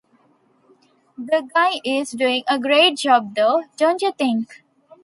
The guy is doing a great job though, don't you think?